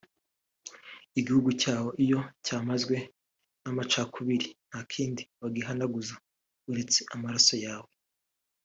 ”igihugu cyawe iyo cyamazwe n’amacakubiri nta kindi wagihanaguza uretse amaraso yawe